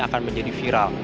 akan menjadi viral